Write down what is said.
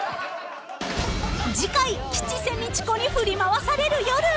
［次回吉瀬美智子に振り回される夜］